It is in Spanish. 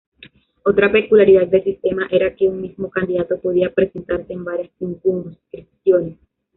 Otra peculiaridad del sistema era que un mismo candidato podía presentarse en varias circunscripciones.